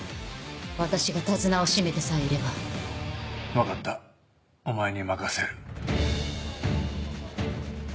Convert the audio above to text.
私が手綱を締めてさえいれば。分かったお前に任せる。